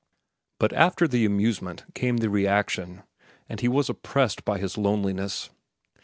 But after the amusement came the reaction, and he was oppressed by his loneliness.